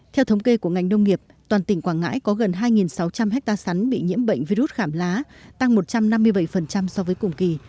theo thống kê của ngành nông nghiệp toàn tỉnh quảng ngãi có gần hai sáu trăm linh hectare sắn bị nhiễm bệnh virus khảm lá tăng một trăm năm mươi bảy so với cùng kỳ